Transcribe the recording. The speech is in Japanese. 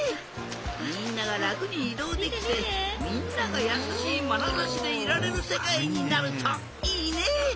みんながらくにいどうできてみんながやさしいまなざしでいられるせかいになるといいね。